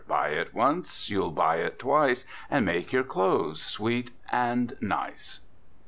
Buy it once, you'll buy it twice, And make your clothes sweet and nice!"